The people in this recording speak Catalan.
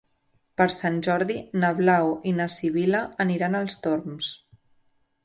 Per Sant Jordi na Blau i na Sibil·la aniran als Torms.